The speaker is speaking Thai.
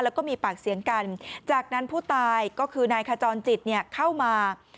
แล้วก็มีปากเสียงกันจากนั้นผู้ตายก็คือนายขจรจิตเข้ามา